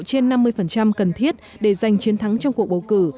trên năm mươi cần thiết để giành chiến thắng trong cuộc bầu cử